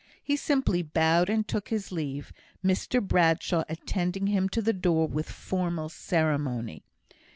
He simply bowed and took his leave Mr Bradshaw attending him to the door with formal ceremony.